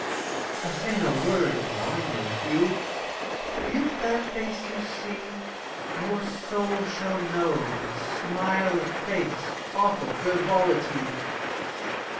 I say no word of line or hue, But if that face you see, Your soul shall know the smile of faith's Awful frivolity.